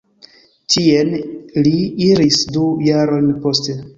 Tien li iris du jarojn poste.